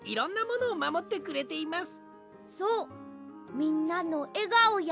みんなのえがおや。